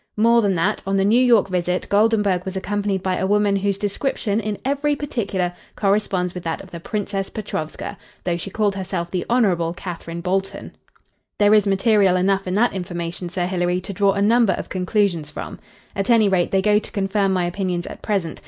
"More than that, on the New York visit Goldenburg was accompanied by a woman whose description in every particular corresponds with that of the Princess Petrovska though she called herself the Hon. Katherine Balton. There is material enough in that information, Sir Hilary, to draw a number of conclusions from. At any rate, they go to confirm my opinions at present.